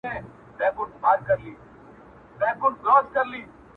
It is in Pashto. زما پر مخ بــانــدي د اوښــــــكــــــو